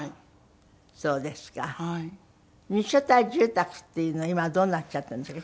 ２世帯住宅っていうのは今どうなっちゃってるんですか？